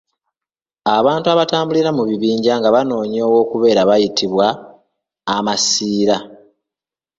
Abantu abatambula mu bibinja nga banoonya ew’okubeera bayitibwa Amasiira.